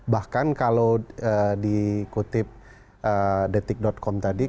bahkan kalau dikutip detik com tadi